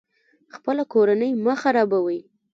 خپله کورنۍ مه خرابوئ